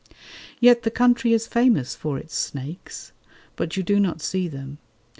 Yet the country is famous for its snakes, but you do not see them.